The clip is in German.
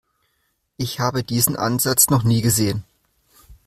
Ich habe diesen Ansatz noch nie gesehen.